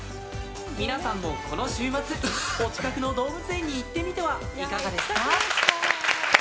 皆さんも、この週末お近くの動物園に行ってみてはいかがですか？